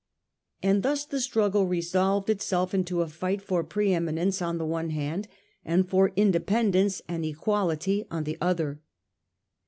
And thus the struggle resolved itself into a fight for pre eminence on the one hand and for independence and equality on the other.